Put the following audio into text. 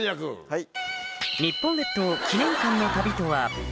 はい。